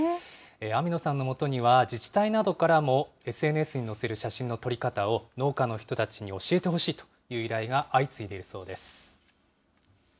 網野さんのもとには自治体などからもＳＮＳに載せる写真の撮り方を農家の人たちに教えてほしいという依頼が相次いでいるそうです。